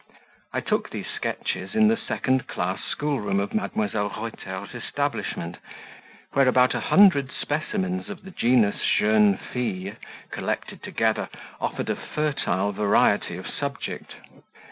I took these sketches in the second class schoolroom of Mdlle. Reuter's establishment, where about a hundred specimens of the genus "jeune fille" collected together offered a fertile variety of subject.